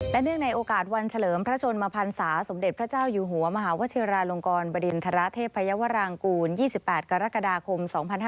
และเนื่องในโอกาสวันเฉลิมพระชนมพันศาสมเด็จพระเจ้าอยู่หัวมหาวชิราลงกรบริณฑระเทพยาวรางกูล๒๘กรกฎาคม๒๕๕๙